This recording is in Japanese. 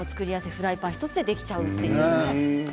フライパン１つでできちゃう。